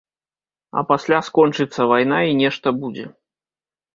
А пасля скончыцца вайна і нешта будзе.